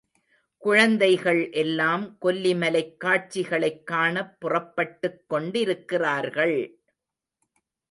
குழந்தைகள் எல்லாம் கொல்லிமலைக் காட்சிகளைக் காணப் புறப்பட்டுக் கொண்டிருக்கிறார்கள்.